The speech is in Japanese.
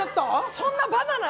そんなバナナ！